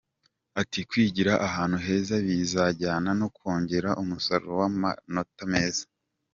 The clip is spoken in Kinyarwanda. Ati“Kwigira ahantu heza bizajyane no kongera umusaruro w’amanota meza”.